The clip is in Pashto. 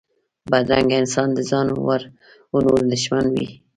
بدرنګه انسان د ځان و نورو دښمن وي